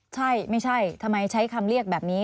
ใช่ไม่ใช่ทำไมใช้คำเรียกแบบนี้